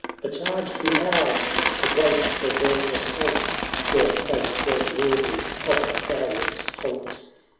"The charge be ours! to wait for their assault Were fate well worthy of a coward's halt."